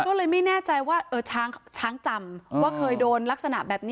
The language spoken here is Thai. ก็เลยไม่แน่ใจว่าช้างจำว่าเคยโดนลักษณะแบบนี้